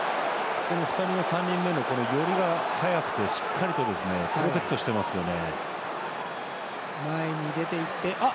２人目、３人目の寄りが速くてしっかりとプロテクトしていますね。